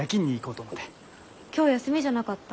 今日休みじゃなかった？